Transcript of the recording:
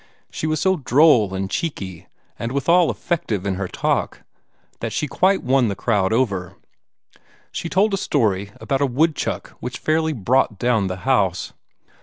She was so droll and cheeky, and withal effective in her talk, that she quite won the crowd over. She told a story about a woodchuck which fairly brought down the house.